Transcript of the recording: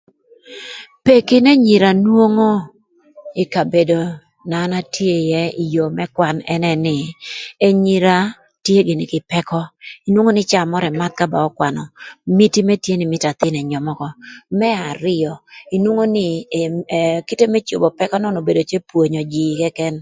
Peki n'anyira nwongo ï kabedo na an atye ïë më kwan ënë nï, anyira tye gïnï kï pëkö inwongo nï ka caa mökö ëmath ba ökwanö gïn thamö nï athïnï mïtö ënyöm ökö, Më arïö, inwongo nï kite më cobo pëkö nön obedo më pwonyo jïï këkën.